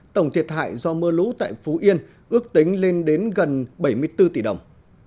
tổng thiệt hại do mưa lũ tại phú yên ước tính lên đến gần bảy mươi bốn tỷ đồng